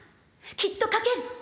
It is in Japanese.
きっと書ける。